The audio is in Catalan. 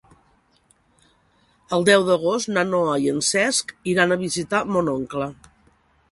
El deu d'agost na Noa i en Cesc iran a visitar mon oncle.